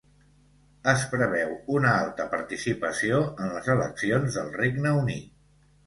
Es preveu una alta participació en les eleccions del Regne Unit